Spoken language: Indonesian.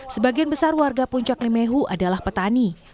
sebagian besar warga puncak limehu adalah petani